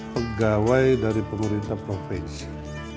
pegawai dari pemerintah provinsi